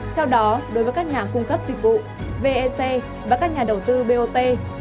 theo đó đối với các nhà cung cấp dịch vụ vec và các nhà đầu tư bot